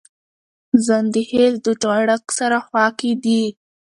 ځنډيخيل دوچ غړک سره خواکی دي